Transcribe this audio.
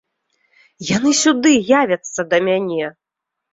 Яны сюды явяцца да мяне!